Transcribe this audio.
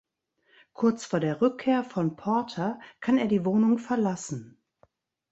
Kurz vor der Rückkehr von Porter kann er die Wohnung verlassen.